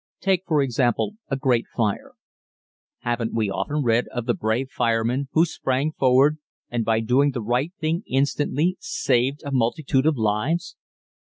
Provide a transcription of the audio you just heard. Take, for example, a great fire. Haven't we often read of the brave fireman who sprang forward and by doing the right thing instantly, saved a multitude of lives?